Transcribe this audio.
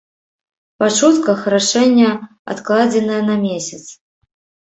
Па чутках, рашэнне адкладзенае на месяц.